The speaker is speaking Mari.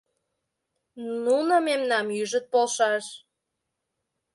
Нуно мемнам ӱжыт полшаш